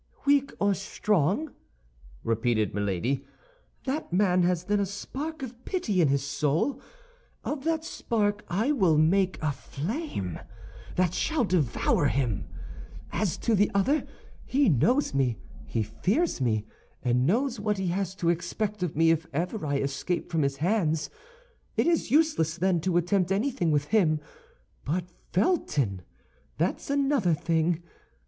"Weak or strong," repeated Milady, "that man has, then, a spark of pity in his soul; of that spark I will make a flame that shall devour him. As to the other, he knows me, he fears me, and knows what he has to expect of me if ever I escape from his hands. It is useless, then, to attempt anything with him. But Felton—that's another thing.